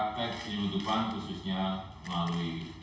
dan praktek penyelundupan khususnya melalui